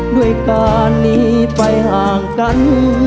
ด้วยการหนีไปห่างกัน